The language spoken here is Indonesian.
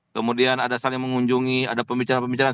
kemudian ada saling mengunjungi ada pembicaraan pembicaraan